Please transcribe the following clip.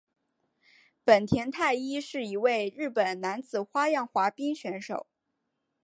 本田太一是一位日本男子花样滑冰选手。